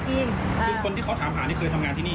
คือคนที่เขาถามหานี่เคยทำงานที่นี่